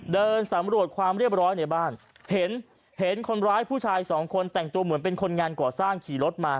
เดินสำรวจความเรียบร้อยในบ้านเห็นเห็นคนร้ายผู้ชายสองคนแต่งตัวเหมือนเป็นคนงานก่อสร้างขี่รถมา